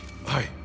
はい。